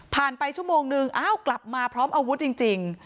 ไปชั่วโมงนึงอ้าวกลับมาพร้อมอาวุธจริง